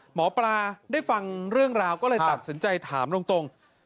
หมอปลาได้ฟังเรื่องราวก็เลยตัดสินใจถามตรง